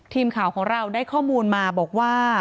ทีมข่าวของเราได้ข้อมูลมาบอกว่า